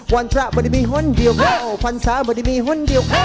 พันศาไม่ได้มีหุ้นเดียว